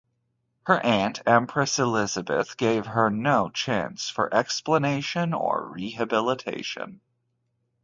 Her aunt, Empress Elisabeth, gave her no chance for explanation or rehabilitation.